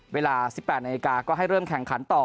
เวลา๑๘นาฬิกาก็ให้เริ่มแข่งขันต่อ